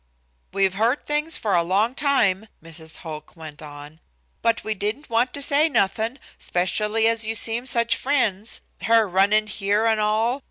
"We've heard things for a long time," Mrs. Hoch went on, "but we didn't want to say nothin', 'specially as you seemed such friends, her runnin' here and all.